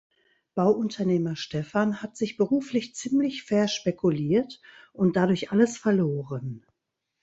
Bauunternehmer Stefan hat sich beruflich ziemlich verspekuliert und dadurch alles verloren.